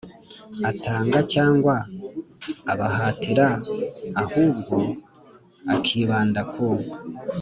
atanga cyangwa abahatira ahubwo akibanda ku